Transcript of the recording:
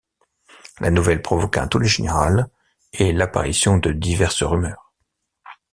La nouvelle provoqua un tollé général et l'apparition de diverses rumeurs.